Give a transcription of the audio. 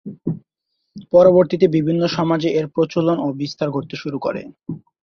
পরবর্তীতে বিভিন্ন সমাজে এর প্রচলন ও বিস্তার ঘটতে শুরু করে।